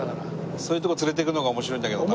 そういうとこ連れて行くのが面白いんだけどなあ。